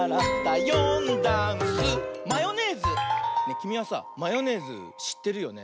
きみはさマヨネーズしってるよね？